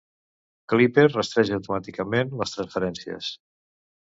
Clipper rastreja automàticament les transferències.